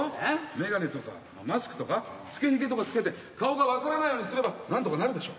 眼鏡とかまあマスクとかつけひげとか着けて顔が分からないようにすればなんとかなるでしょ。